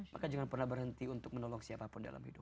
maka jangan pernah berhenti untuk menolong siapapun dalam hidup